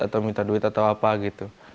atau minta duit atau apa gitu